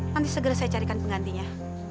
nanti segera saya carikan penggantinya